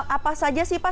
apa saja sih pak